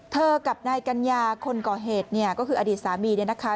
เธอกับนายกัญญาคนก่อเหตุก็คืออดีตสามีนี่นะคะ